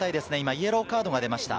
イエローカードが出ました。